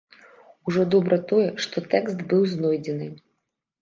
Ужо добра тое, што тэкст быў знойдзены!